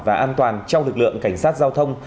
và an toàn trong lực lượng cảnh sát giao thông